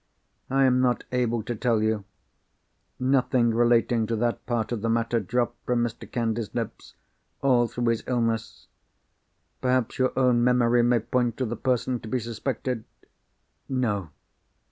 "I am not able to tell you. Nothing relating to that part of the matter dropped from Mr. Candy's lips, all through his illness. Perhaps your own memory may point to the person to be suspected." "No."